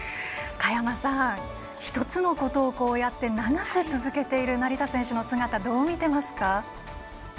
佳山さん一つのことを長く続けている成田選手の姿どう見ていますか？